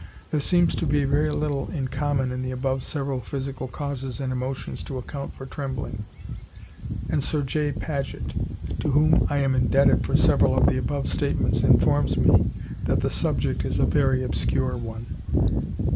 There seems to be very little in common in the above several physical causes and emotions to account for trembling; and Sir J. Paget, to whom I am indebted for several of the above statements, informs me that the subject is a very obscure one.